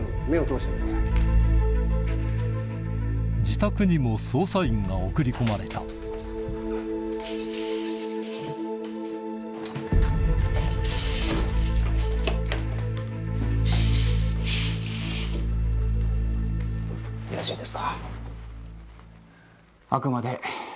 自宅にも捜査員が送り込まれたよろしいですか？